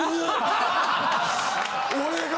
俺が。